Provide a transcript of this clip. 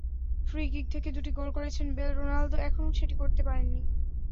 Free kick থেকে দুটি goal করেছেন বেল, রোনালদো এখনো সেটি করতে পারেননি।